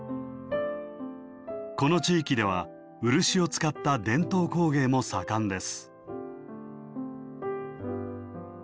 この地域では漆を使った伝統工芸も盛んです。